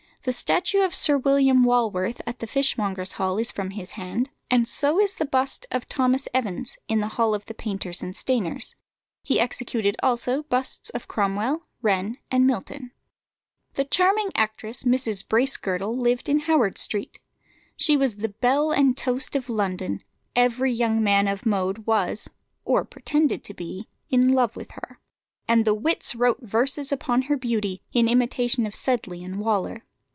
The statue of Sir William Walworth at the fishmongers' Hall is from his hand, and so is the bust of Thomas Evans in the hall of the painters and stainers. He executed also busts of Cromwell, Wren, and Milton. The charming actress, Mrs. Bracegirdle, lived in Howard Street. She was the belle and toast of London; every young man of mode was, or pretended to be, in love with her; and the wits wrote verses upon her beauty, in imitation of Sedley and Waller.